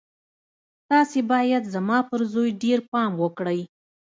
تاسې بايد زما پر زوی ډېر پام وکړئ.